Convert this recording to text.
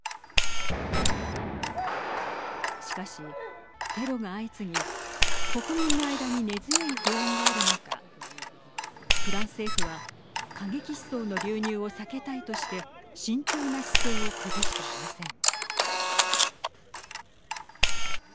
しかし、テロが相次ぎ国民の間に根強い不安がある中フランス政府は過激思想の流入を避けたいとして慎重な姿勢を崩していません。